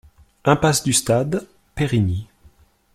Impasse du Stade, Périgny